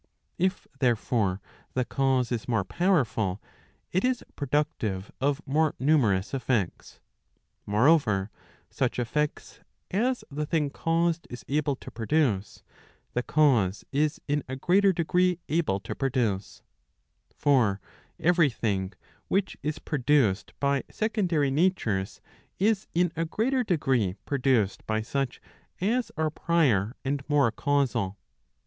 If, therefore, the cause is more powerful, it is productive of more numerous effects. Moreover, such effects as the thing caused is uble to produce, the Digitized by Google PROP. LV1U. OF THEOLOGY* 341 cause is in a greater degree able to produce. For every thing which is produced by secondary natures, is in a greater degree produced by such as are prior and more causal.